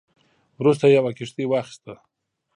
وروسته یې یوه کښتۍ واخیسته.